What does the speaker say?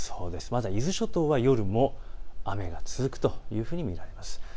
まだ伊豆諸島は夜も雨が続くというふうに見られます。